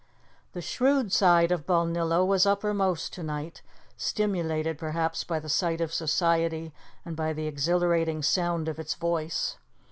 The shrewd side of Balnillo was uppermost to night, stimulated perhaps by the sight of society and by the exhilarating sound of its voice.